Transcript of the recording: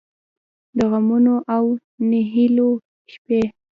د غمـونـو او نهـيليو شـپې